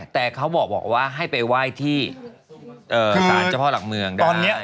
แต่เขาบอกว่าให้ไปไหว้ที่สารเจ้าพ่อหลักเมืองแบบนี้